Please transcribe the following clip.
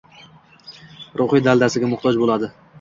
ruhiy daldasiga muhtoj bo‘ladi.